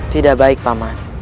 tidak baik taman